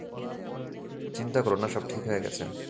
চিন্তা করো না সব ঠিক হয়ে গেছে।